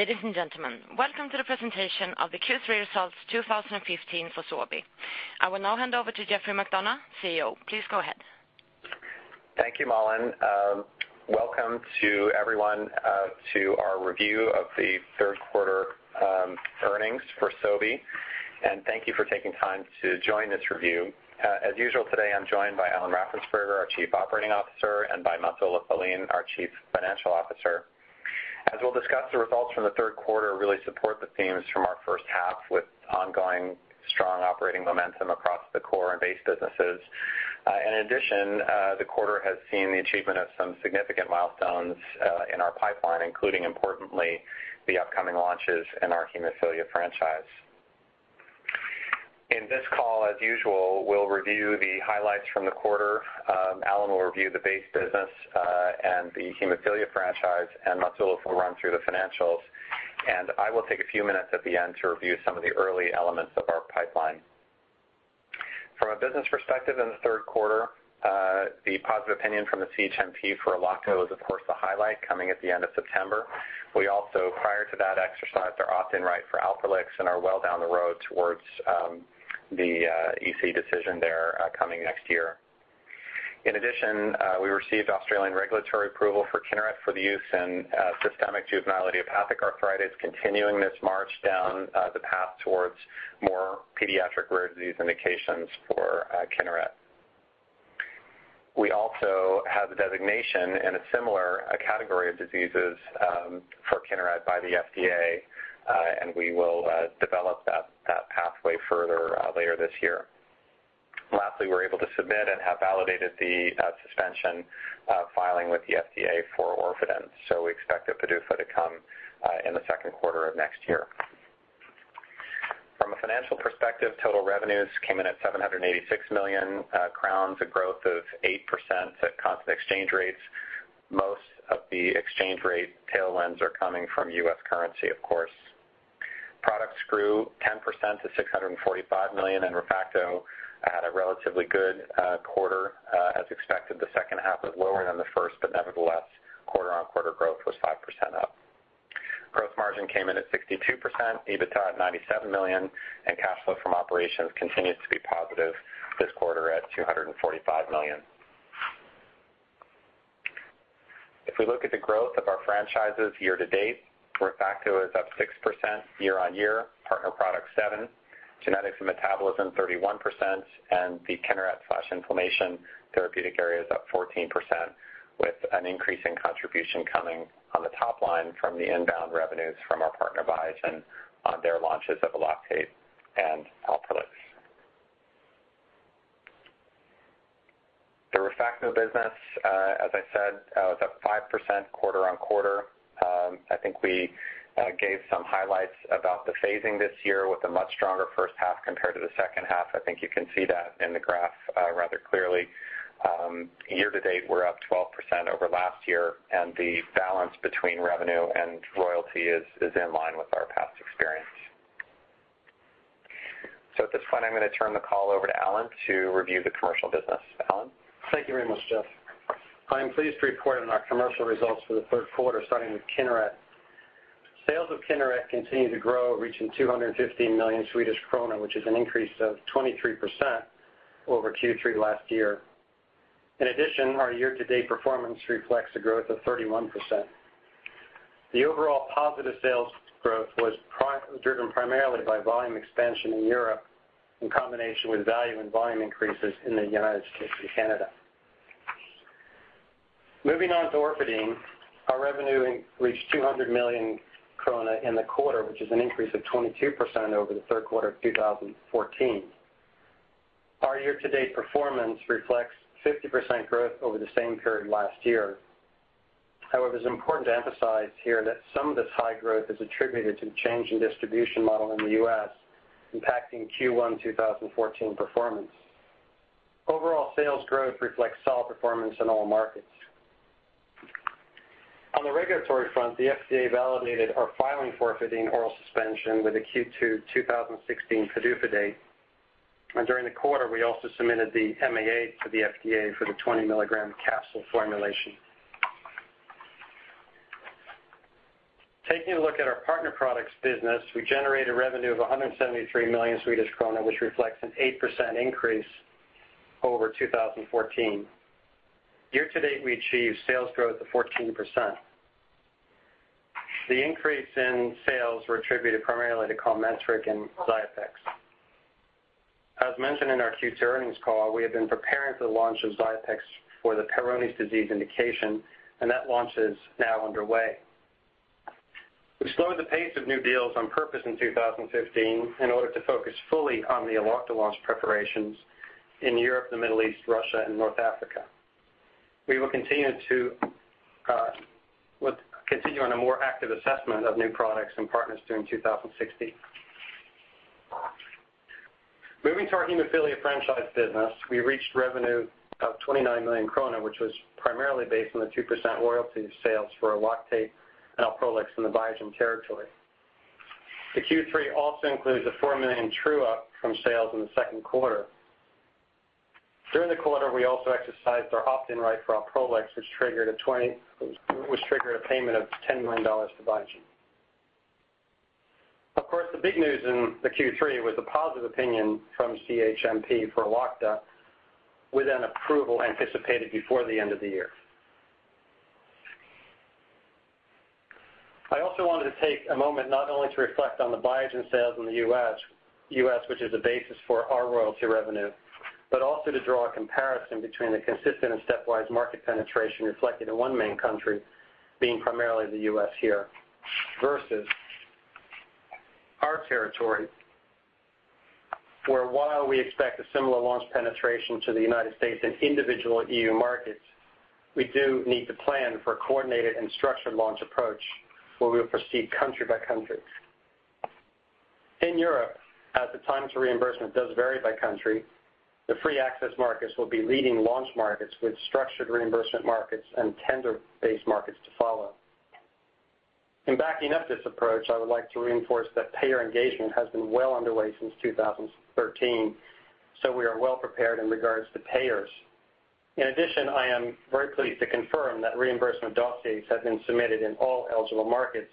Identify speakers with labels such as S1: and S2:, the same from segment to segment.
S1: Ladies and gentlemen, welcome to the presentation of the Q3 results 2015 for Sobi. I will now hand over to Geoffrey McDonough, CEO. Please go ahead.
S2: Thank you, Malin. Welcome to everyone to our review of the third quarter earnings for Sobi, thank you for taking time to join this review. As usual, today I'm joined by Alan Raffensperger, our Chief Operating Officer, by Mats-Olof Ljungkvist, our Chief Financial Officer. As we'll discuss, the results from the third quarter really support the themes from our first half, with ongoing strong operating momentum across the core and base businesses. In addition, the quarter has seen the achievement of some significant milestones in our pipeline, including importantly, the upcoming launches in our hemophilia franchise. In this call, as usual, we'll review the highlights from the quarter. Alan will review the base business and the hemophilia franchise, Mats-Olof Ljungkvist will run through the financials, I will take a few minutes at the end to review some of the early elements of our pipeline. From a business perspective in the third quarter, the positive opinion from the CHMP for Elocta was, of course, the highlight coming at the end of September. We also, prior to that, exercised our opt-in right for Alprolix are well down the road towards the EC decision there coming next year. In addition, we received Australian regulatory approval for Kineret for the use in systemic juvenile idiopathic arthritis, continuing this march down the path towards more pediatric rare disease indications for Kineret. We also have the designation in a similar category of diseases for Kineret by the FDA, we will develop that pathway further later this year. Lastly, we were able to submit and have validated the suspension filing with the FDA for Orfadin, we expect a PDUFA to come in the second quarter of next year. From a financial perspective, total revenues came in at 786 million crowns, a growth of 8% at constant exchange rates. Most of the exchange rate tailwinds are coming from U.S. currency, of course. Products grew 10% to 645 million SEK, ReFacto had a relatively good quarter. As expected, the second half was lower than the first, nevertheless, quarter-on-quarter growth was 5% up. Gross margin came in at 62%, EBITDA at 97 million SEK, cash flow from operations continued to be positive this quarter at 245 million SEK. If we look at the growth of our franchises year-to-date, ReFacto is up 6% year-on-year, partner products 7%, genetics and metabolism 31%, the Kineret/inflammation therapeutic area is up 14%, with an increase in contribution coming on the top line from the inbound revenues from our partner, Biogen, on their launches of Eloctate and Alprolix. The ReFacto business, as I said, was up 5% quarter-on-quarter. I think we gave some highlights about the phasing this year, with a much stronger first half compared to the second half. I think you can see that in the graph rather clearly. Year-to-date, we are up 12% over last year, and the balance between revenue and royalty is in line with our past experience. At this point, I am going to turn the call over to Alan to review the commercial business. Alan?
S3: Thank you very much, Jeff. I am pleased to report on our commercial results for the third quarter, starting with Kineret. Sales of Kineret continue to grow, reaching 215 million Swedish krona, which is an increase of 23% over Q3 last year. In addition, our year-to-date performance reflects a growth of 31%. The overall positive sales growth was driven primarily by volume expansion in Europe in combination with value and volume increases in the U.S. and Canada. Moving on to Orfadin, our revenue reached 200 million krona in the quarter, which is an increase of 22% over the third quarter of 2014. Our year-to-date performance reflects 50% growth over the same period last year. However, it is important to emphasize here that some of this high growth is attributed to the change in distribution model in the U.S., impacting Q1 2014 performance. Overall sales growth reflects solid performance in all markets. On the regulatory front, the FDA validated our filing for Orfadin oral suspension with a Q2 2016 PDUFA date. During the quarter, we also submitted the MAA to the FDA for the 20-milligram capsule formulation. Taking a look at our partner products business, we generated revenue of 173 million Swedish krona, which reflects an 8% increase over 2014. Year-to-date, we achieved sales growth of 14%. The increase in sales were attributed primarily to QOMETRIC and Xiapex. As mentioned in our Q2 earnings call, we have been preparing for the launch of Xiapex for the Peyronie's disease indication, and that launch is now underway. We slowed the pace of new deals on purpose in 2015 in order to focus fully on the Elocta launch preparations in Europe, the Middle East, Russia, and North Africa. We will continue on a more active assessment of new products and partners during 2016. Moving to our hemophilia franchise business, we reached revenue of 29 million krona, which was primarily based on the 2% royalty sales for Eloctate and Alprolix in the Biogen territory. The Q3 also includes a 4 million SEK true-up from sales in the second quarter. During the quarter, we also exercised our opt-in right for Alprolix, which triggered a payment of $10 million to Biogen. Of course, the big news in the Q3 was the positive opinion from CHMP for Elocta, with an approval anticipated before the end of the year. I also wanted to take a moment not only to reflect on the Biogen sales in the U.S., which is the basis for our royalty revenue, but also to draw a comparison between the consistent and stepwise market penetration reflected in one main country, being primarily the U.S. here, versus our territory. While we expect a similar launch penetration to the United States and individual E.U. markets, we do need to plan for a coordinated and structured launch approach where we will proceed country by country. In Europe, as the time to reimbursement does vary by country, the free access markets will be leading launch markets with structured reimbursement markets and tender-based markets to follow. In backing up this approach, I would like to reinforce that payer engagement has been well underway since 2013. We are well prepared in regards to payers. In addition, I am very pleased to confirm that reimbursement dossiers have been submitted in all eligible markets,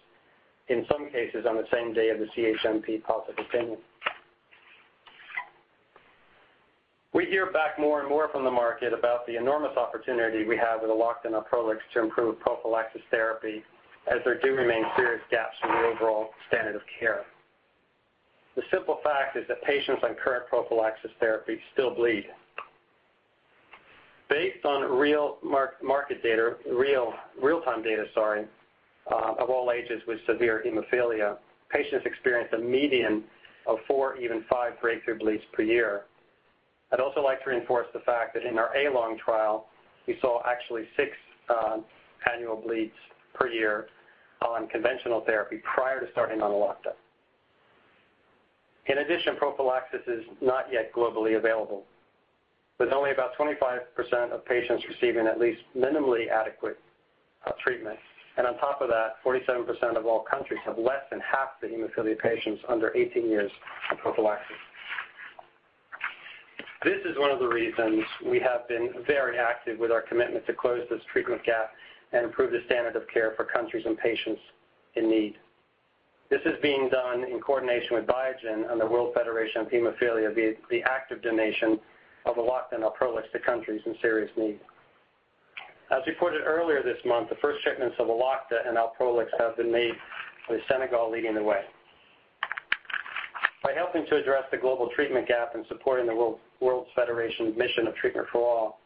S3: in some cases on the same day of the CHMP positive opinion. We hear back more and more from the market about the enormous opportunity we have with Elocta and Alprolix to improve prophylaxis therapy, as there do remain serious gaps in the overall standard of care. The simple fact is that patients on current prophylaxis therapy still bleed. Based on real-time data of all ages with severe hemophilia, patients experience a median of four, even five, breakthrough bleeds per year. I'd also like to reinforce the fact that in our A-LONG trial, we saw actually six annual bleeds per year on conventional therapy prior to starting on Elocta. In addition, prophylaxis is not yet globally available. With only about 25% of patients receiving at least minimally adequate treatment, and on top of that, 47% of all countries have less than half the hemophilia patients under 18 years on prophylaxis. This is one of the reasons we have been very active with our commitment to close this treatment gap and improve the standard of care for countries and patients in need. This is being done in coordination with Biogen and the World Federation of Hemophilia, via the active donation of Elocta and Alprolix to countries in serious need. As reported earlier this month, the first shipments of Elocta and Alprolix have been made, with Senegal leading the way. By helping to address the global treatment gap and supporting the World Federation's mission of treatment for all,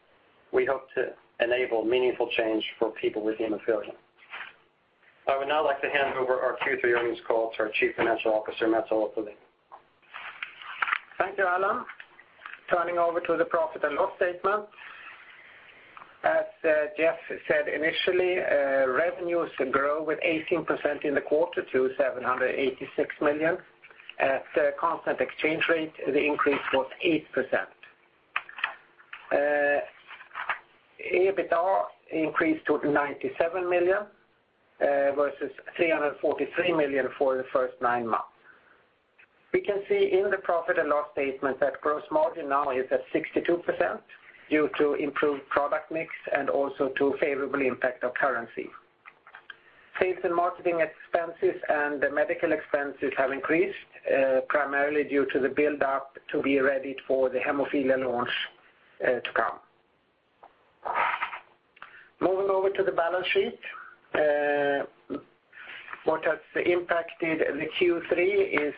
S3: we hope to enable meaningful change for people with hemophilia. I would now like to hand over our Q3 earnings call to our Chief Financial Officer, Mats-Olof Ljungkvist.
S4: Thank you, Alan. Turning over to the profit and loss statement. As Jeff said initially, revenues grow with 18% in the quarter to 786 million. At the constant exchange rate, the increase was 8%. EBITDA increased to 97 million, versus 343 million for the first nine months. We can see in the profit and loss statement that gross margin now is at 62%, due to improved product mix and also to favorable impact of currency. Sales and marketing expenses and the medical expenses have increased, primarily due to the buildup to be ready for the hemophilia launch to come. Moving over to the balance sheet. What has impacted the Q3 is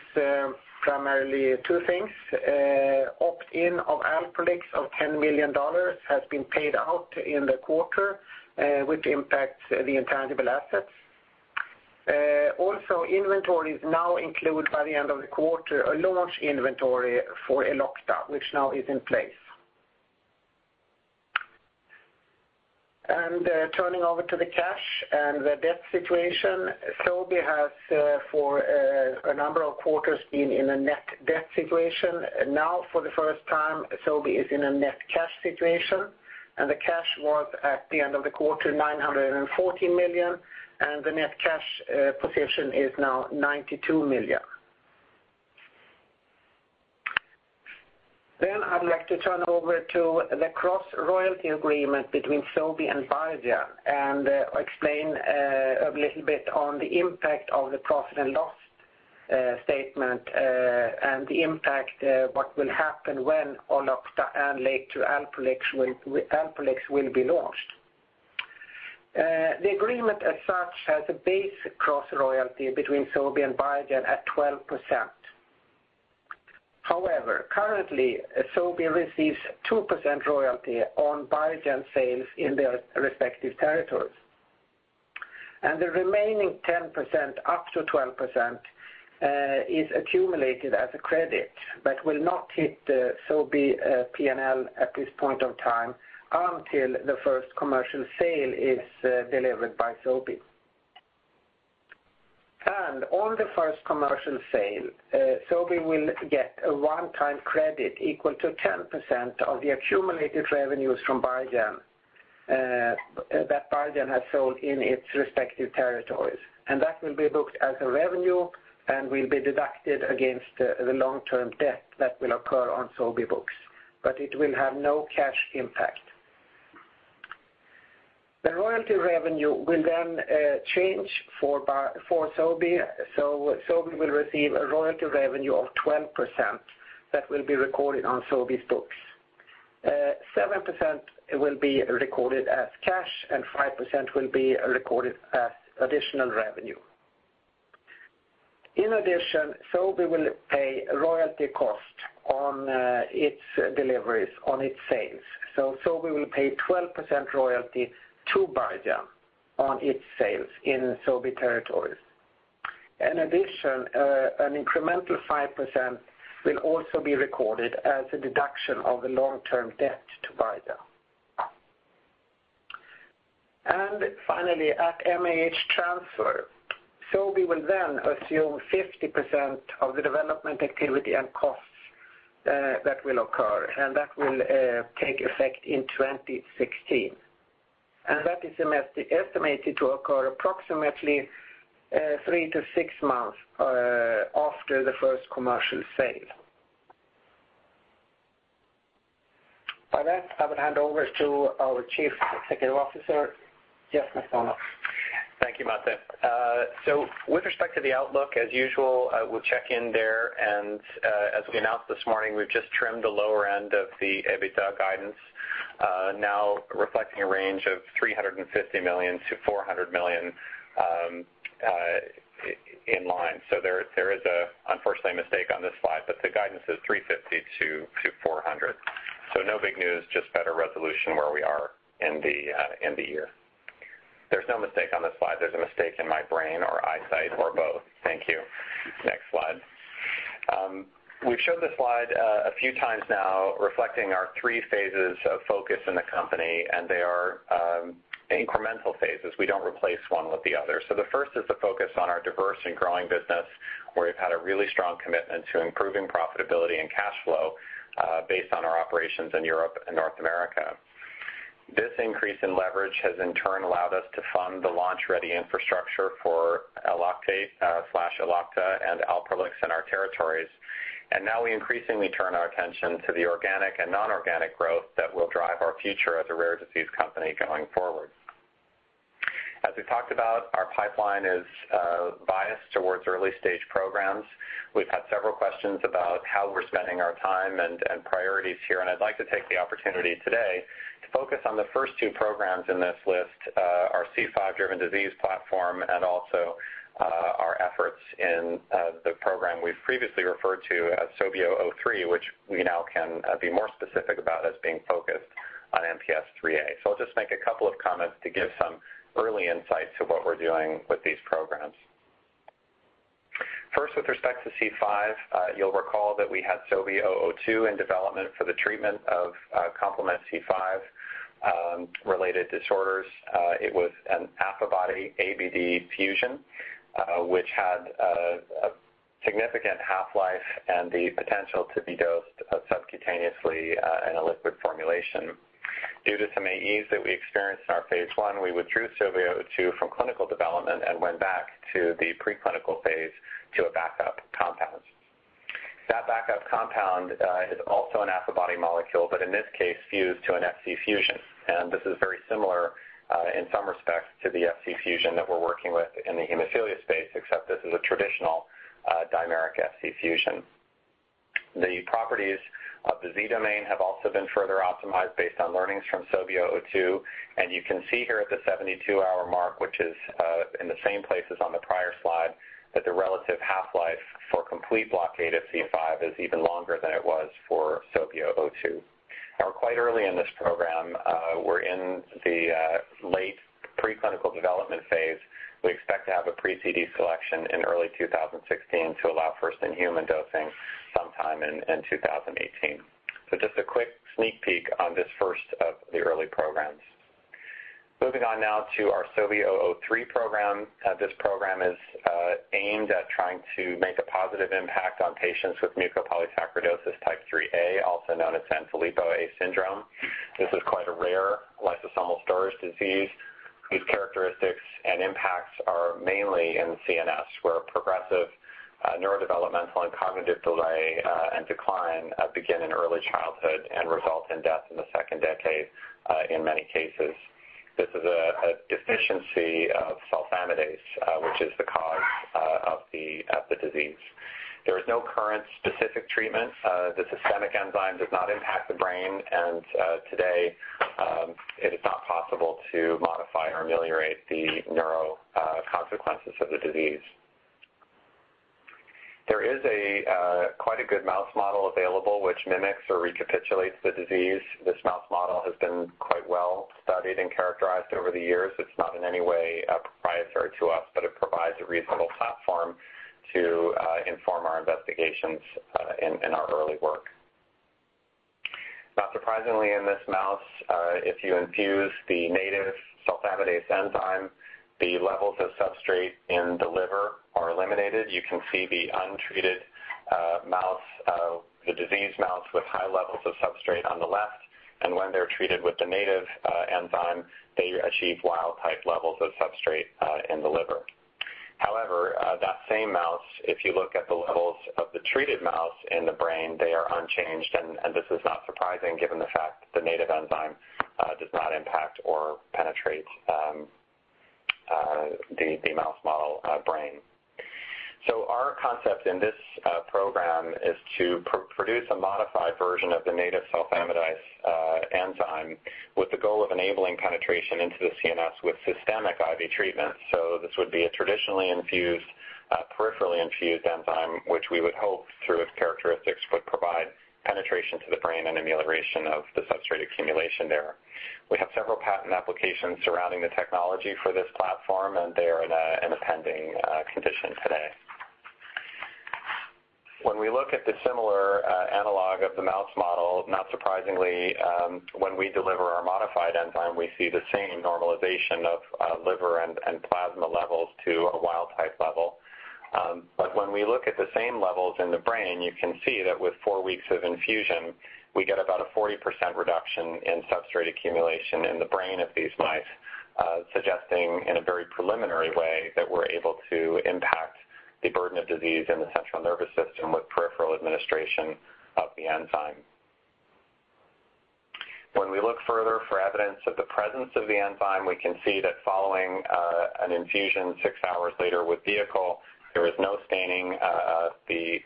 S4: primarily two things. Opt-in of Alprolix of $10 million has been paid out in the quarter, which impacts the intangible assets. Inventories now include by the end of the quarter, a launch inventory for Elocta, which now is in place. Turning over to the cash and the debt situation. Sobi has, for a number of quarters, been in a net debt situation. Now, for the first time, Sobi is in a net cash situation, and the cash was at the end of the quarter, 940 million, and the net cash position is now 92 million. I would like to turn over to the cross-royalty agreement between Sobi and Biogen and explain a little bit on the impact of the profit and loss statement and the impact what will happen when Elocta and late to Alprolix will be launched. The agreement as such has a base cross royalty between Sobi and Biogen at 12%. However, currently, Sobi receives 2% royalty on Biogen sales in their respective territories. The remaining 10%, up to 12%, is accumulated as a credit but will not hit the Sobi P&L at this point of time until the first commercial sale is delivered by Sobi. On the first commercial sale, Sobi will get a one-time credit equal to 10% of the accumulated revenues from Biogen that Biogen has sold in its respective territories. That will be booked as a revenue and will be deducted against the long-term debt that will occur on Sobi books, but it will have no cash impact. The royalty revenue will then change for Sobi. Sobi will receive a royalty revenue of 12% that will be recorded on Sobi's books. 7% will be recorded as cash, and 5% will be recorded as additional revenue. In addition, Sobi will pay royalty cost on its deliveries, on its sales. Sobi will pay 12% royalty to Biogen on its sales in Sobi territories. In addition, an incremental 5% will also be recorded as a deduction of the long-term debt to Biogen. Finally, at MAH transfer, Sobi will then assume 50% of the development activity and costs that will occur, and that will take effect in 2016. That is estimated to occur approximately three to six months after the first commercial sale. With that, I will hand over to our Chief Executive Officer, Geoffrey McDonough.
S2: Thank you, Mats. With respect to the outlook, as usual, we'll check in there, as we announced this morning, we've just trimmed the lower end of the EBITDA guidance, now reflecting a range of 350 million-400 million in line. There is unfortunately a mistake on this slide, but the guidance is 350-400. No big news, just better resolution where we are in the year. There's no mistake on this slide. There's a mistake in my brain or eyesight or both. Thank you. Next slide. We've showed this slide a few times now reflecting our three phases of focus in the company, they are incremental phases. We don't replace one with the other. The first is the focus on our diverse and growing business, where we've had a really strong commitment to improving profitability and cash flow based on our operations in Europe and North America. This increase in leverage has in turn allowed us to fund the launch-ready infrastructure for Eloctate/Elocta and Alprolix in our territories. Now we increasingly turn our attention to the organic and non-organic growth that will drive our future as a rare disease company going forward. As we've talked about, our pipeline is biased towards early-stage programs. We've had several questions about how we're spending our time and priorities here, I'd like to take the opportunity today to focus on the first two programs in this list, our C5-driven disease platform and also our efforts in the program we've previously referred to as SOV003, which we now can be more specific about as being focused on MPS IIIA. I'll just make a couple of comments to give some early insights to what we're doing with these programs. First, with respect to C5, you'll recall that we had SOV002 in development for the treatment of complement C5-related disorders. It was an Affibody ABD fusion, which had a significant half-life and the potential to be dosed subcutaneously in a liquid formulation. Due to some AEs that we experienced in our phase I, we withdrew SOV002 from clinical development and went back to the preclinical phase to a backup compound. That backup compound is also an Affibody molecule, but in this case fused to an Fc-fusion. This is very similar in some respects to the Fc-fusion that we're working with in the hemophilia space, except this is a traditional dimeric Fc-fusion. The properties of the Z domain have also been further optimized based on learnings from SOV002, you can see here at the 72-hour mark, which is in the same place as on the prior slide, that the relative half-life for complete blockade of C5 is even longer than it was for SOV002. We're quite early in this program. We're in the late preclinical development phase. We expect to have a pre-CD selection in early 2016 to allow first-in-human dosing sometime in 2018. Just a quick sneak peek on this first of the early programs. Moving on now to our SOBI003 program. This program is aimed at trying to make a positive impact on patients with mucopolysaccharidosis type IIIA, also known as Sanfilippo A syndrome. This is quite a rare lysosomal storage disease whose characteristics and impacts are mainly in the CNS, where progressive neurodevelopmental and cognitive delay and decline begin in early childhood and result in death in the second decade in many cases. This is a deficiency of sulfamidase, which is the cause of the disease. There is no current specific treatment. The systemic enzyme does not impact the brain, and today it is not possible to modify or ameliorate the neuro consequences of the disease. There is quite a good mouse model available which mimics or recapitulates the disease. This mouse model has been quite well studied and characterized over the years. It's not in any way proprietary to us, but it provides a reasonable platform to inform our investigations in our early work. Not surprisingly, in this mouse, if you infuse the native sulfamidase enzyme, the levels of substrate in the liver are eliminated. You can see the untreated mouse, the diseased mouse with high levels of substrate on the left, and when they're treated with the native enzyme, they achieve wild-type levels of substrate in the liver. However, that same mouse, if you look at the levels of the treated mouse in the brain, they are unchanged, and this is not surprising given the fact that the native enzyme does not impact or penetrate the mouse model brain. Our concept in this program is to produce a modified version of the native sulfamidase enzyme with the goal of enabling penetration into the CNS with systemic IV treatment. This would be a traditionally infused, peripherally infused enzyme, which we would hope through its characteristics, would provide penetration to the brain and amelioration of the substrate accumulation there. We have several patent applications surrounding the technology for this platform, and they are in a pending condition today. When we look at the similar analog of the mouse model, not surprisingly, when we deliver our modified enzyme, we see the same normalization of liver and plasma levels to a wild-type level. When we look at the same levels in the brain, you can see that with four weeks of infusion, we get about a 40% reduction in substrate accumulation in the brain of these mice, suggesting, in a very preliminary way, that we're able to impact the burden of disease in the central nervous system with peripheral administration of the enzyme. When we look further for evidence of the presence of the enzyme, we can see that following an infusion six hours later with vehicle, there was no staining of the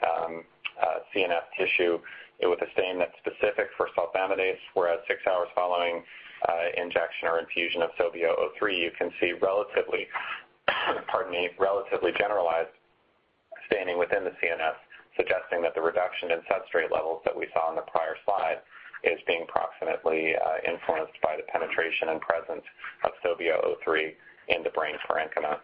S2: CNS tissue with a stain that's specific for sulfamidase. Whereas six hours following injection or infusion of SOBI003, you can see relatively pardon me, relatively generalized staining within the CNS, suggesting that the reduction in substrate levels that we saw in the prior slide is being proximately influenced by the penetration and presence of SOBI003 in the brain parenchyma.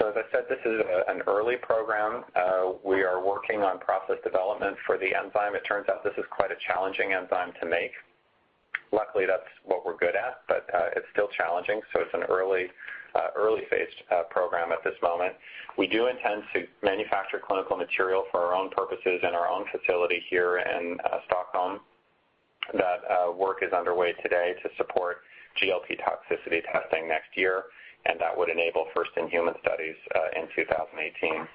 S2: As I said, this is an early program. We are working on process development for the enzyme. It turns out this is quite a challenging enzyme to make. Luckily, that's what we're good at, but it's still challenging. It's an early phase program at this moment. We do intend to manufacture clinical material for our own purposes in our own facility here in Stockholm. That work is underway today to support GLP toxicity testing next year, and that would enable first-in-human studies in 2018.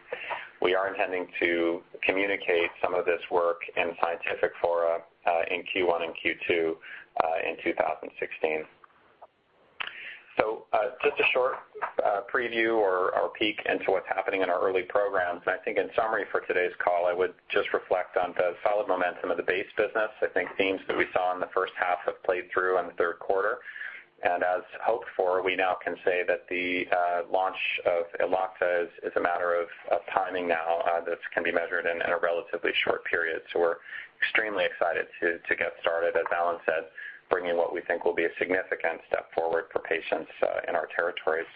S2: We are intending to communicate some of this work in scientific fora in Q1 and Q2 in 2016. Just a short preview or peek into what's happening in our early programs. I think in summary for today's call, I would just reflect on the solid momentum of the base business. I think themes that we saw in the first half have played through in the third quarter, and as hoped for, we now can say that the launch of Elocta is a matter of timing now that can be measured in a relatively short period. We're extremely excited to get started, as Alan said, bringing what we think will be a significant step forward for patients in our territories.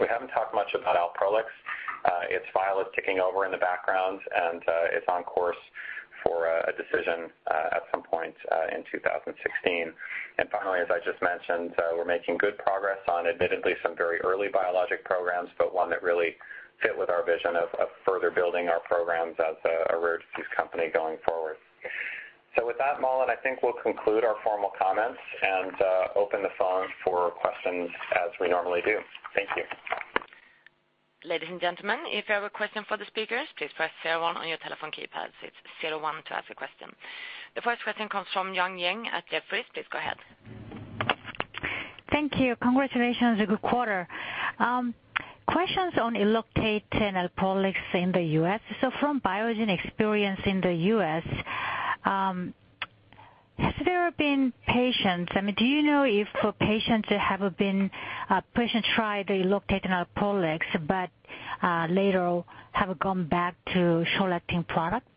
S2: We haven't talked much about Alprolix. Its file is ticking over in the background, and it's on course for a decision at some point in 2016. Finally, as I just mentioned, we're making good progress on admittedly some very early biologic programs, but one that really fit with our vision of further building our programs as a rare disease company going forward. With that, Malin, I think we'll conclude our formal comments and open the phone for questions as we normally do. Thank you.
S1: Ladies and gentlemen, if you have a question for the speakers, please press zero one on your telephone keypads. It's zero one to ask a question. The first question comes from Yoon Yang at Jefferies. Please go ahead.
S5: Thank you. Congratulations on a good quarter. Questions on Eloctate and Alprolix in the U.S. From Biogen experience in the U.S., has there been patients, do you know if patients have been pushed to try the Eloctate and Alprolix but later have gone back to short-acting product?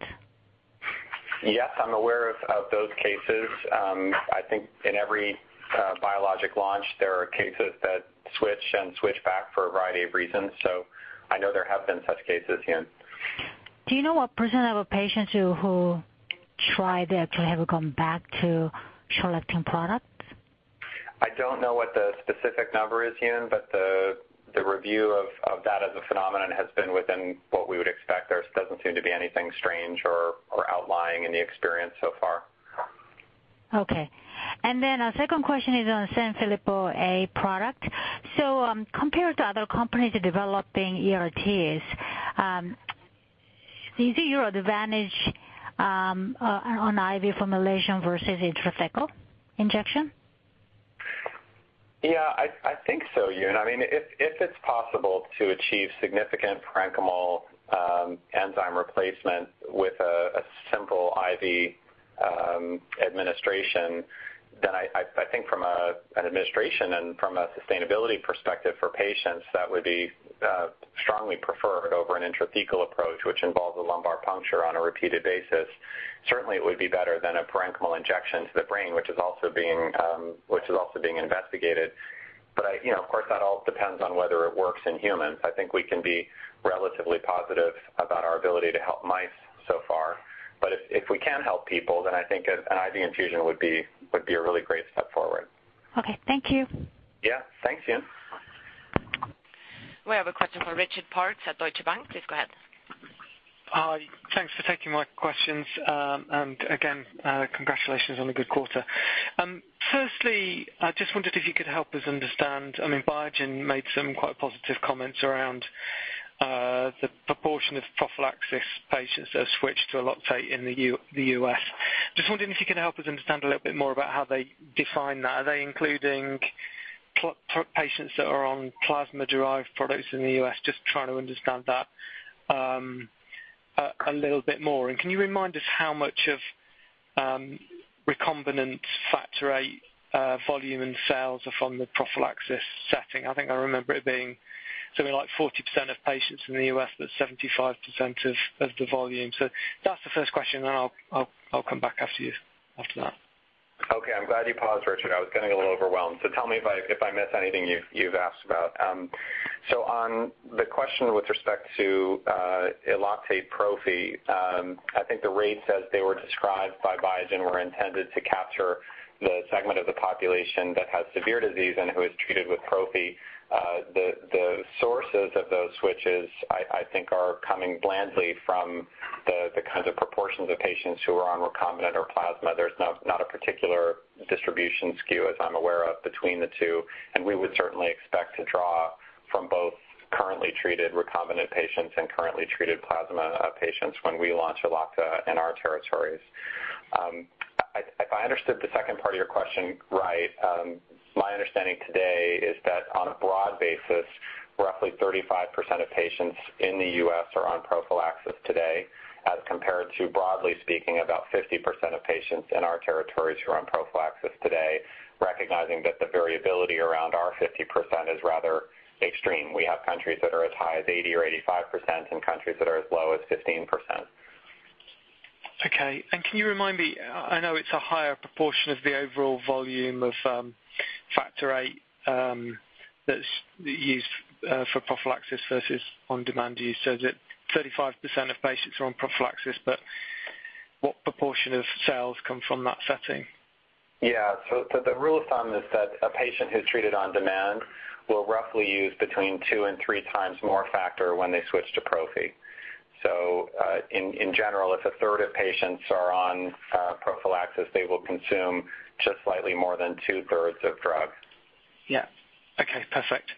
S2: Yes, I'm aware of those cases. I think in every biologic launch there are cases that switch and switch back for a variety of reasons. I know there have been such cases, Yoon.
S5: Do you know what % of patients who tried it have gone back to short-acting product?
S2: I don't know what the specific number is, Yoon, but the review of that as a phenomenon has been within what we would expect. There doesn't seem to be anything strange or outlying in the experience so far.
S5: Okay. A second question is on Sanfilippo A product. Compared to other companies developing ERTs, do you see your advantage on IV formulation versus intrathecal injection?
S2: Yeah, I think so, Yoon. If it's possible to achieve significant parenchymal enzyme replacement with a simple IV administration, I think from an administration and from a sustainability perspective for patients, that would be strongly preferred over an intrathecal approach, which involves a lumbar puncture on a repeated basis. Certainly, it would be better than a parenchymal injection to the brain, which is also being investigated. Of course, that all depends on whether it works in humans. I think we can be relatively positive about our ability to help mice so far. If we can help people, I think an IV infusion would be a really great step forward.
S5: Okay. Thank you.
S2: Yeah. Thanks, Yoon.
S1: We have a question from Richard Parkes at Deutsche Bank. Please go ahead.
S6: Hi. Thanks for taking my questions. Again, congratulations on a good quarter. Firstly, I just wondered if you could help us understand, Biogen made some quite positive comments around the proportion of prophylaxis patients that have switched to Eloctate in the U.S. Just wondering if you could help us understand a little bit more about how they define that. Are they including patients that are on plasma-derived products in the U.S.? Just trying to understand that a little bit more. Can you remind us how much of recombinant Factor VIII volume and sales are from the prophylaxis setting? I think I remember it being something like 40% of patients in the U.S., but 75% of the volume. That's the first question, I'll come back to you after that.
S2: Okay. I'm glad you paused, Richard. I was getting a little overwhelmed. Tell me if I miss anything you've asked about. On the question with respect to Eloctate Prophy, I think the rates as they were described by Biogen, were intended to capture the segment of the population that has severe disease and who is treated with Prophy. The sources of those switches, I think, are coming broadly from the kinds of proportions of patients who are on recombinant or plasma. There's not a particular distribution skew as I'm aware of between the two, we would certainly expect to draw from both currently treated recombinant patients and currently treated plasma patients when we launch Elocta in our territories. If I understood the second part of your question right, my understanding today is that on a broad basis, roughly 35% of patients in the U.S. are on prophylaxis today, as compared to, broadly speaking, about 50% of patients in our territories who are on prophylaxis today, recognizing that the variability around our 50% is rather extreme. We have countries that are as high as 80% or 85%, countries that are as low as 15%.
S6: Okay. Can you remind me, I know it's a higher proportion of the overall volume of Factor VIII that's used for prophylaxis versus on-demand use. Is it 35% of patients are on prophylaxis, what proportion of sales come from that setting?
S2: Yeah. The rule of thumb is that a patient who's treated on demand will roughly use between two and three times more factor when they switch to Prophy. In general, if a third of patients are on prophylaxis, they will consume just slightly more than two-thirds of drug.
S6: Yeah. Okay, perfect.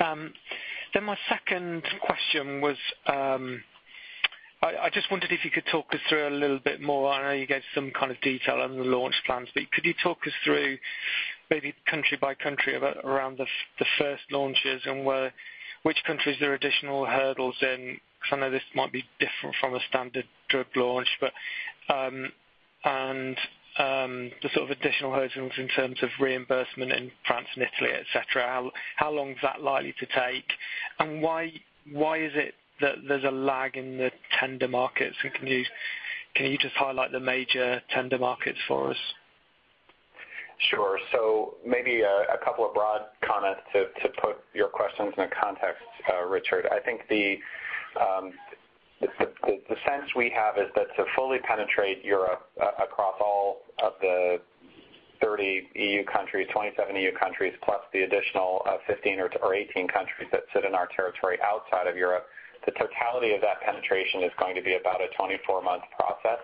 S6: My second question was, I just wondered if you could talk us through a little bit more. I know you gave some kind of detail on the launch plans, could you talk us through maybe country by country around the first launches and which countries there are additional hurdles in? I know this might be different from a standard drug launch. The sort of additional hurdles in terms of reimbursement in France and Italy, et cetera, how long is that likely to take? Why is it that there's a lag in the tender markets, can you just highlight the major tender markets for us?
S2: Sure. Maybe a couple of broad comments to put your questions into context, Richard. I think the sense we have is that to fully penetrate Europe across all of the 30 EU countries, 27 EU countries, plus the additional 15 or 18 countries that sit in our territory outside of Europe, the totality of that penetration is going to be about a 24-month process.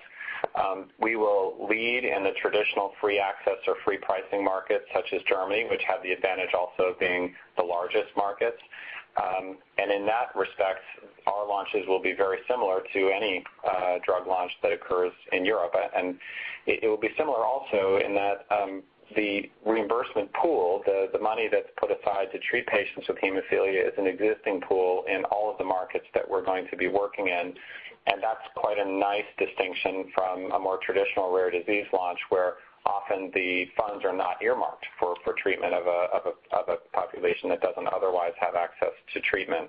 S2: We will lead in the traditional free access or free pricing markets such as Germany, which have the advantage also of being the largest markets. In that respect, our launches will be very similar to any drug launch that occurs in Europe. It will be similar also in that the reimbursement pool, the money that's put aside to treat patients with hemophilia, is an existing pool in all of the markets that we're going to be working in. That's quite a nice distinction from a more traditional rare disease launch, where often the funds are not earmarked for treatment of a population that doesn't otherwise have access to treatment.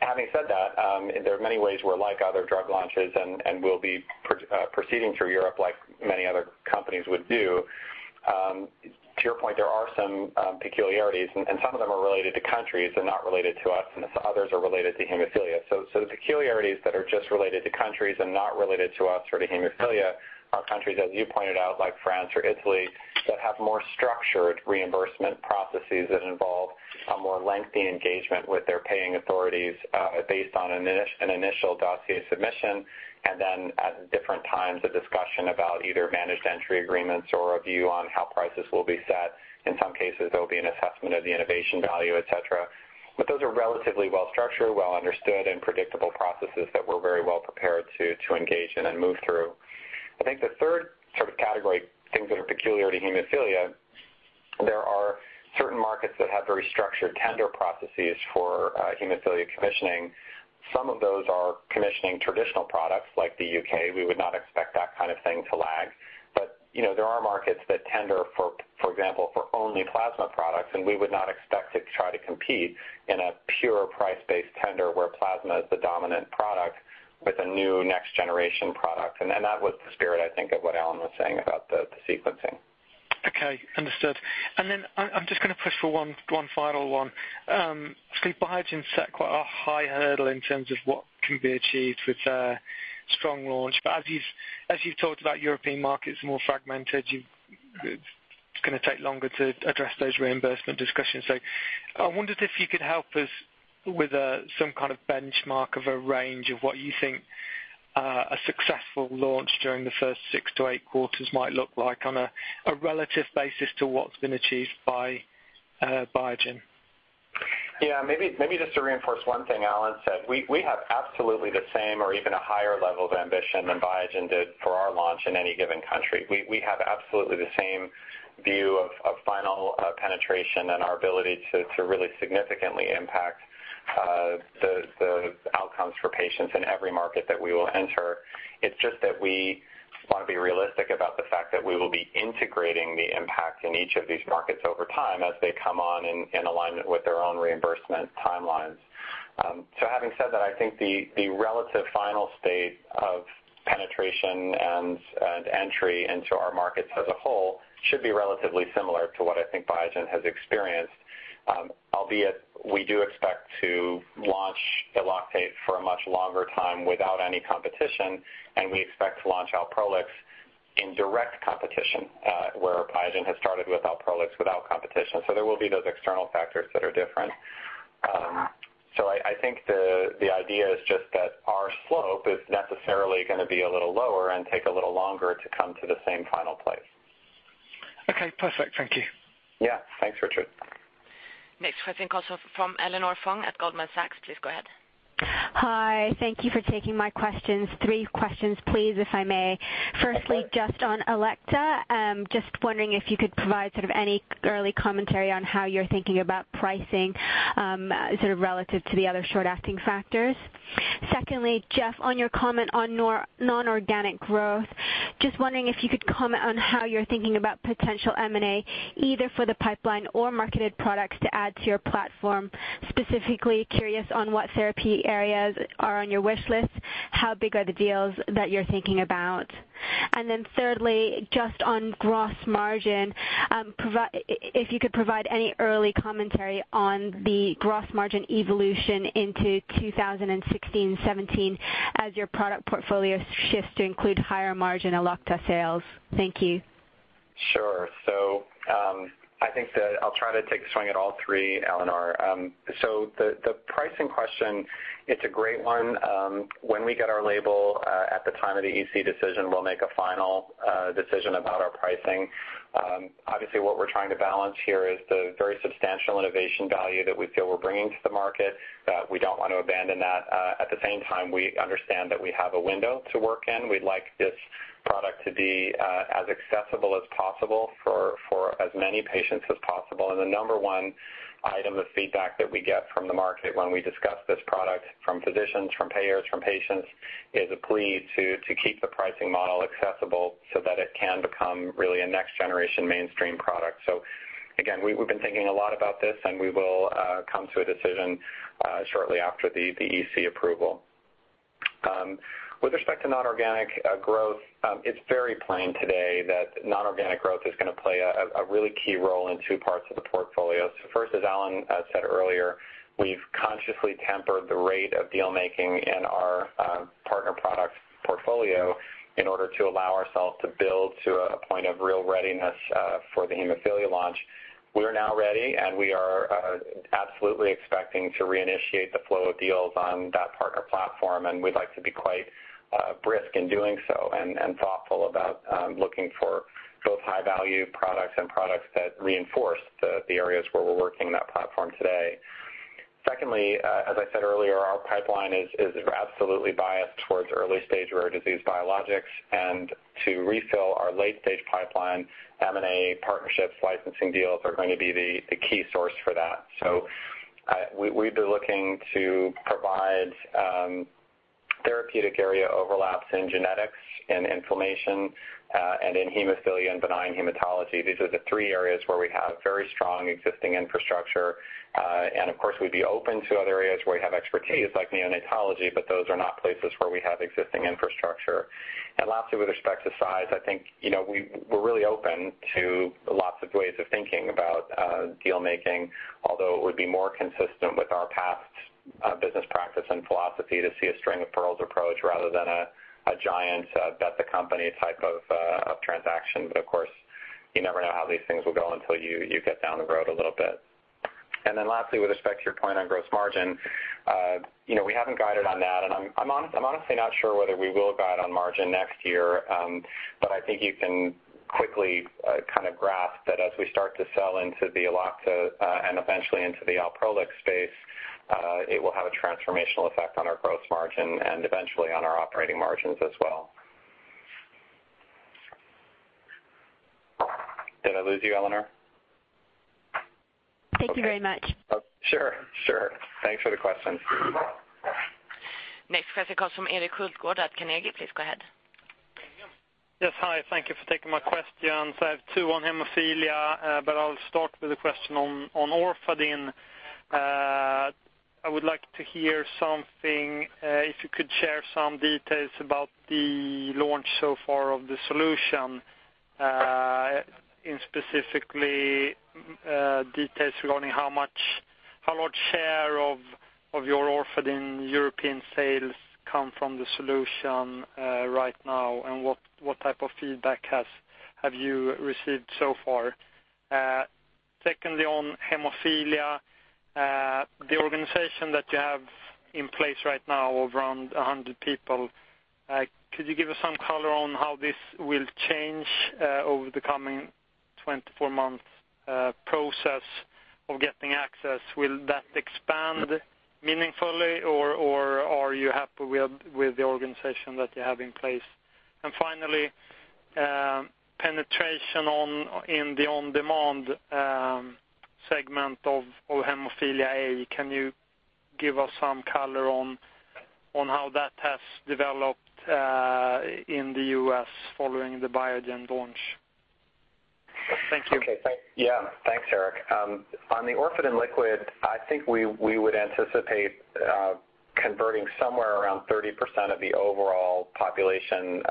S2: Having said that, there are many ways we're like other drug launches, and we'll be proceeding through Europe like many other companies would do. To your point, there are some peculiarities, and some of them are related to countries and not related to us, and others are related to hemophilia. The peculiarities that are just related to countries and not related to us or to hemophilia are countries, as you pointed out, like France or Italy, that have more structured reimbursement processes that involve a more lengthy engagement with their paying authorities, based on an initial dossier submission. At different times, a discussion about either managed entry agreements or a view on how prices will be set. In some cases, there will be an assessment of the innovation value, et cetera. Those are relatively well-structured, well understood, and predictable processes that we're very well prepared to engage in and move through. I think the third sort of category, things that are peculiar to hemophilia, there are certain markets that have very structured tender processes for hemophilia commissioning. Some of those are commissioning traditional products like the U.K. We would not expect that kind of thing to lag. There are markets that tender, for example, for only plasma products, and we would not expect to try to compete in a pure price-based tender where plasma is the dominant product with a new next-generation product. That was the spirit, I think, of what Alan was saying about the sequencing
S6: Understood. I'm just going to push for one final one. Biogen set quite a high hurdle in terms of what can be achieved with a strong launch. As you've talked about European markets more fragmented, it's going to take longer to address those reimbursement discussions. I wondered if you could help us with some kind of benchmark of a range of what you think a successful launch during the first six to eight quarters might look like on a relative basis to what's been achieved by Biogen.
S2: Yeah. Maybe just to reinforce one thing Alan said, we have absolutely the same or even a higher level of ambition than Biogen did for our launch in any given country. We have absolutely the same view of final penetration and our ability to really significantly impact the outcomes for patients in every market that we will enter. It is just that we want to be realistic about the fact that we will be integrating the impact in each of these markets over time as they come on in alignment with their own reimbursement timelines. Having said that, I think the relative final state of penetration and entry into our markets as a whole should be relatively similar to what I think Biogen has experienced. Albeit, we do expect to launch Eloctate for a much longer time without any competition, and we expect to launch Alprolix in direct competition, where Biogen has started with Alprolix without competition. There will be those external factors that are different. I think the idea is just that our slope is necessarily going to be a little lower and take a little longer to come to the same final place.
S6: Okay, perfect. Thank you.
S2: Yeah. Thanks, Richard.
S1: Next question comes from Eleanor Fong at Goldman Sachs. Please go ahead.
S7: Hi. Thank you for taking my questions. Three questions please, if I may.
S2: Sure.
S7: Firstly, just on Elocta, just wondering if you could provide sort of any early commentary on how you're thinking about pricing, sort of relative to the other short-acting factors. Secondly, Jeff, on your comment on non-organic growth, just wondering if you could comment on how you're thinking about potential M&A, either for the pipeline or marketed products to add to your platform. Specifically curious on what therapy areas are on your wish list. How big are the deals that you're thinking about? Thirdly, just on gross margin, if you could provide any early commentary on the gross margin evolution into 2016 and 2017 as your product portfolio shifts to include higher margin Elocta sales. Thank you.
S2: Sure. I think that I'll try to take a swing at all three, Eleanor. The pricing question, it's a great one. When we get our label, at the time of the EC decision, we'll make a final decision about our pricing. Obviously, what we're trying to balance here is the very substantial innovation value that we feel we're bringing to the market, that we don't want to abandon that. At the same time, we understand that we have a window to work in. We'd like this product to be as accessible as possible for as many patients as possible. The number one item of feedback that we get from the market when we discuss this product from physicians, from payers, from patients, is a plea to keep the pricing model accessible so that it can become really a next generation mainstream product. We've been thinking a lot about this, and we will come to a decision shortly after the EC approval. With respect to non-organic growth, it's very plain today that non-organic growth is going to play a really key role in two parts of the portfolio. First, as Alan said earlier, we've consciously tempered the rate of deal making in our partner products portfolio in order to allow ourselves to build to a point of real readiness for the hemophilia launch. We're now ready, and we are absolutely expecting to reinitiate the flow of deals on that partner platform, and we'd like to be quite brisk in doing so and thoughtful about looking for both high-value products and products that reinforce the areas where we're working that platform today. Secondly, as I said earlier, our pipeline is absolutely biased towards early-stage rare disease biologics. To refill our late-stage pipeline, M&A partnerships licensing deals are going to be the key source for that. We'd be looking to provide therapeutic area overlaps in genetics and inflammation, and in hemophilia and benign hematology. These are the three areas where we have very strong existing infrastructure. Of course, we'd be open to other areas where we have expertise like neonatology, but those are not places where we have existing infrastructure. Lastly, with respect to size, I think, we're really open to lots of ways of thinking about deal making, although it would be more consistent with our past business practice and philosophy to see a string-of-pearls approach rather than a giant bet-the-company type of transaction. Of course, you never know how these things will go until you get down the road a little bit. Lastly, with respect to your point on gross margin, we haven't guided on that, and I'm honestly not sure whether we will guide on margin next year. I think you can quickly kind of grasp that as we start to sell into the Elocta, and eventually into the Alprolix space, it will have a transformational effect on our gross margin and eventually on our operating margins as well. Did I lose you, Eleanor?
S7: Thank you very much.
S2: Sure. Thanks for the question.
S1: Next question comes from Erik Hultgård at Carnegie. Please go ahead.
S8: Yes, hi. Thank you for taking my questions. I have two on hemophilia. I'll start with a question on Orfadin. I would like to hear something, if you could share some details about the launch so far of the solution. In specifically, details regarding how much share of your Orfadin European sales come from the solution right now, and what type of feedback have you received so far? Secondly, on hemophilia, the organization that you have in place right now of around 100 people, could you give us some color on how this will change over the coming 24 months process of getting access? Will that expand meaningfully or are you happy with the organization that you have in place? Finally, penetration in the on-demand segment of hemophilia A. Can you give us some color on how that has developed in the U.S. following the Biogen launch? Thank you.
S2: Okay. Yeah, thanks, Erik. On the Orfadin liquid, I think we would anticipate converting somewhere around 30% of the overall population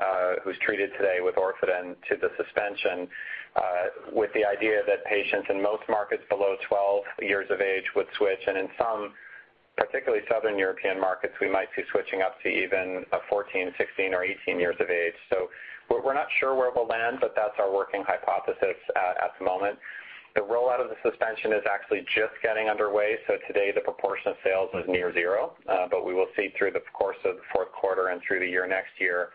S2: who is treated today with Orfadin to the suspension, with the idea that patients in most markets below 12 years of age would switch. In some, particularly Southern European markets, we might see switching up to even 14, 16 or 18 years of age. We are not sure where it will land, but that is our working hypothesis at the moment. The rollout of the suspension is actually just getting underway, so today the proportion of sales is near zero. We will see through the course of the fourth quarter and through the year next year,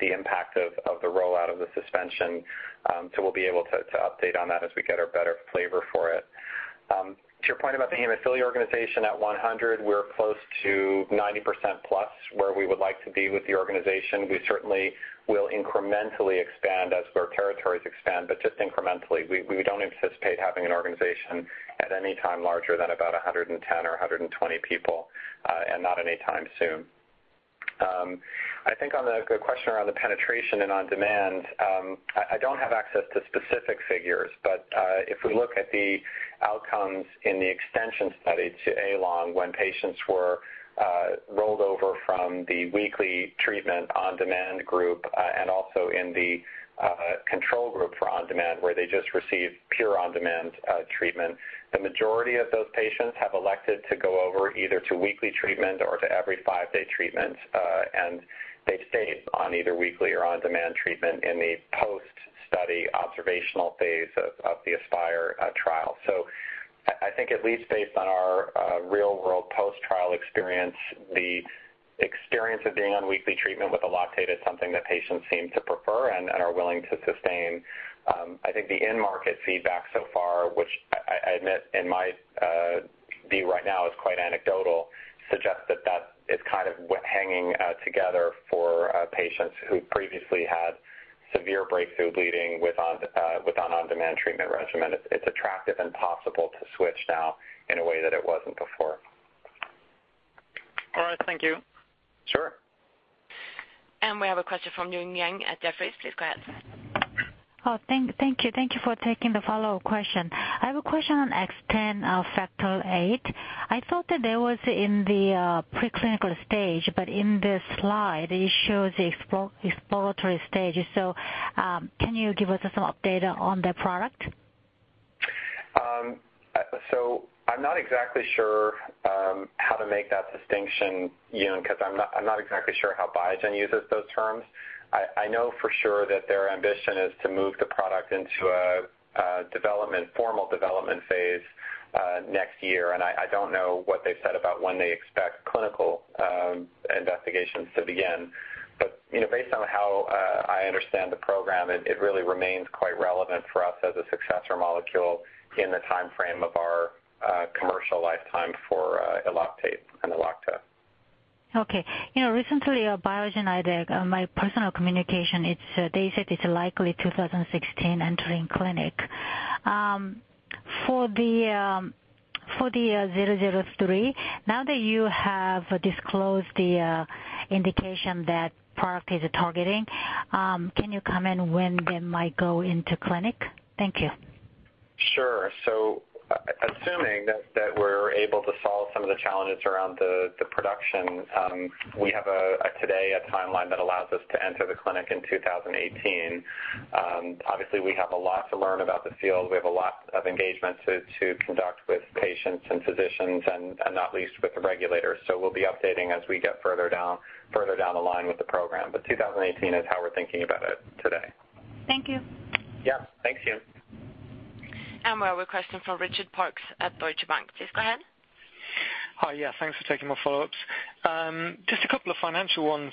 S2: the impact of the rollout of the suspension. We will be able to update on that as we get a better flavor for it. To your point about the hemophilia organization at 100, we are close to 90% plus where we would like to be with the organization. We certainly will incrementally expand as our territories expand, but just incrementally. We do not anticipate having an organization at any time larger than about 110 or 120 people, and not anytime soon. I think on the question around the penetration and on-demand, I do not have access to specific figures. If we look at the outcomes in the extension study to A-LONG, when patients were rolled over from the weekly treatment on-demand group, and also in the control group for on-demand, where they just received pure on-demand treatment. The majority of those patients have elected to go over either to weekly treatment or to every five-day treatment, and they have stayed on either weekly or on-demand treatment in the post-study observational phase of the ASPIRE trial. I think at least based on our real-world post-trial experience, the experience of being on weekly treatment with Eloctate is something that patients seem to prefer and are willing to sustain. I think the end-market feedback so far, which I admit in my view right now is quite anecdotal, suggests that that is kind of hanging together for patients who previously had severe breakthrough bleeding with an on-demand treatment regimen. It is attractive and possible to switch now in a way that it was not before.
S8: All right. Thank you.
S2: Sure.
S1: We have a question from Yoon Yang at Jefferies. Please go ahead.
S5: Thank you. Thank you for taking the follow-up question. I have a question on XTEN Factor VIII. I thought that was in the pre-clinical stage, but in this slide, it shows exploratory stages. Can you give us some update on that product?
S2: I'm not exactly sure how to make that distinction, Yoon, because I'm not exactly sure how Biogen uses those terms. I know for sure that their ambition is to move the product into a formal development phase next year. I don't know what they've said about when they expect clinical investigations to begin. Based on how I understand the program, it really remains quite relevant for us as a successor molecule in the timeframe of our commercial lifetime for Eloctate and Elocta.
S5: Okay. Recently, Biogen IDEC, my personal communication, they said it's likely 2016 entering clinic. For the 003, now that you have disclosed the indication that product is targeting, can you comment when they might go into clinic? Thank you.
S2: Sure. Assuming that we're able to solve some of the challenges around the production, we have today a timeline that allows us to enter the clinic in 2018. Obviously, we have a lot to learn about the field. We have a lot of engagement to conduct with patients and physicians, and not least with the regulators. We'll be updating as we get further down the line with the program. 2018 is how we're thinking about it today.
S5: Thank you.
S2: Yeah. Thanks, Yoon.
S1: We have a question from Richard Parkes at Deutsche Bank. Please go ahead.
S6: Hi. Thanks for taking my follow-ups. Just a couple of financial ones.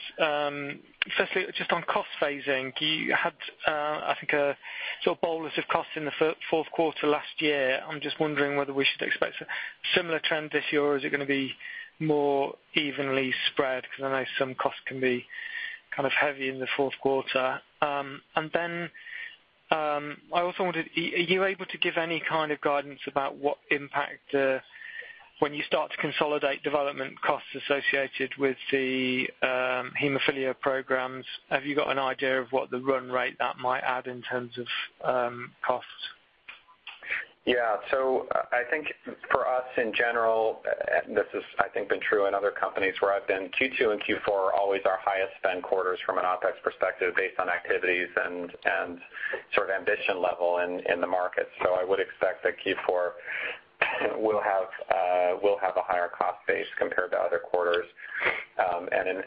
S6: Firstly, just on cost phasing. You had, I think, a sort of bolus of cost in the fourth quarter last year. I'm just wondering whether we should expect a similar trend this year, or is it going to be more evenly spread? I know some costs can be kind of heavy in the fourth quarter. I also wondered, are you able to give any kind of guidance about what impact when you start to consolidate development costs associated with the hemophilia programs? Have you got an idea of what the run rate that might add in terms of cost?
S2: Yeah. I think for us in general, this has, I think, been true in other companies where I've been, Q2 and Q4 are always our highest spend quarters from an OpEx perspective based on activities and sort of ambition level in the market. I would expect that Q4 will have a higher cost base compared to other quarters.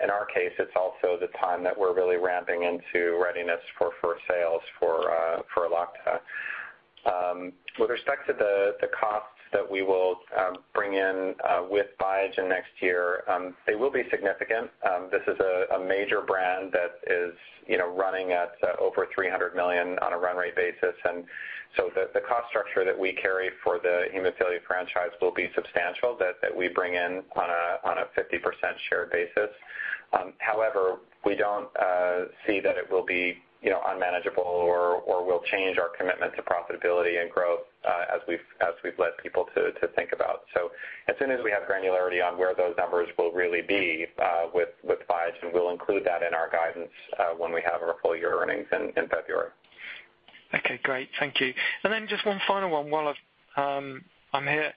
S2: In our case, it's also the time that we're really ramping into readiness for sales for Elocta. With respect to the costs that we will bring in with Biogen next year, they will be significant. This is a major brand that is running at over 300 million on a run rate basis. The cost structure that we carry for the hemophilia franchise will be substantial, that we bring in on a 50% share basis. However, we don't see that it will be unmanageable or will change our commitment to profitability and growth as we've led people to think about. As soon as we have granularity on where those numbers will really be with Biogen, we'll include that in our guidance when we have our full year earnings in February.
S6: Okay, great. Thank you. Just one final one while I'm here.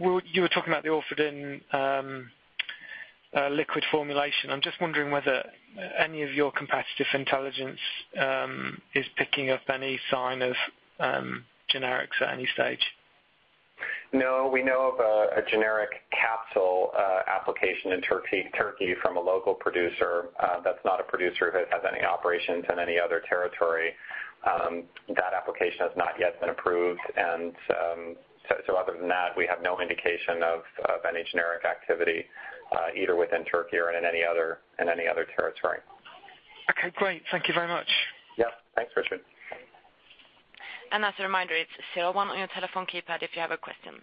S6: You were talking about the Orfadin liquid formulation. I'm just wondering whether any of your competitive intelligence is picking up any sign of generics at any stage.
S2: No, we know of a generic capsule application in Turkey from a local producer. That's not a producer who has any operations in any other territory. That application has not yet been approved. Other than that, we have no indication of any generic activity, either within Turkey or in any other territory.
S6: Okay, great. Thank you very much.
S2: Yep. Thanks, Richard.
S1: As a reminder, it's zero one on your telephone keypad if you have a question,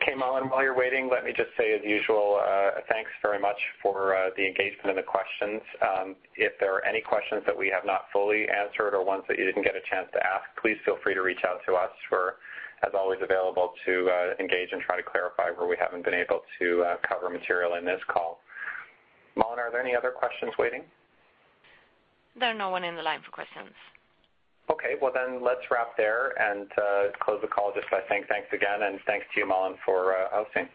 S1: zero one.
S2: Okay, Malin, while you're waiting, let me just say as usual, thanks very much for the engagement and the questions. If there are any questions that we have not fully answered or ones that you didn't get a chance to ask, please feel free to reach out to us. We're as always available to engage and try to clarify where we haven't been able to cover material in this call. Malin, are there any other questions waiting?
S1: There are no one in the line for questions.
S2: Okay. Well, let's wrap there and close the call just by saying thanks again, and thanks to you, Malin, for hosting.